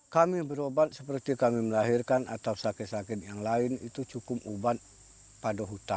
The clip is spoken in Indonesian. kami berobat seperti kami melahirkan atau sakit sakit yang lain itu cukup obat pada hutan